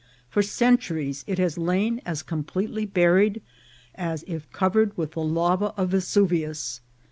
For centuries it has lain as completely bu ried as if covered with the lava of Vesuvius.